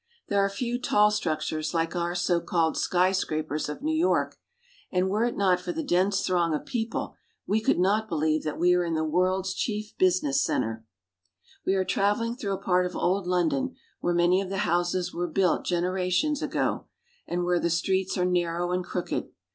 There are few tall structures like our so called " sky scrapers" of New York, and were it not for the dense throng of people, we could not believe we are in the world's chief busi ness center. We are traveling through a part of old London where many of the houses were built generations ago, and where the streets are narrow and crooked.